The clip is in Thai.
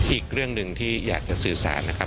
อีกเรื่องหนึ่งที่อยากจะสื่อสารนะครับ